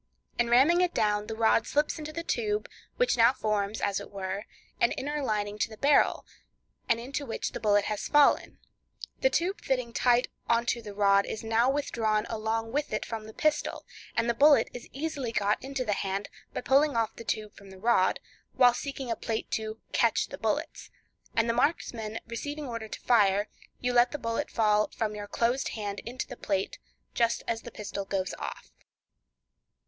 In ramming it down, the rod slips into the tube, which now forms, as it were, an inner lining to the barrel, and into which the bullet has fallen; the tube fitting tight on to the rod is now withdrawn along with it from the pistol, and the bullet is easily got into the hand by pulling off the tube from the rod, while seeking a plate to "catch the bullets;" and the marksman receiving order to fire, you let the bullet fall from your closed hand into the plate just as the pistol goes off.